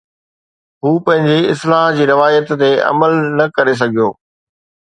هو پنهنجي اصلاح جي روايت تي عمل نه ڪري سگهيو